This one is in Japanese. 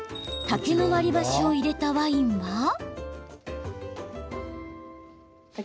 竹の割り箸を入れたワインは？